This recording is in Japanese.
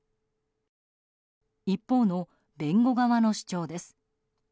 一方の弁護側の主張です。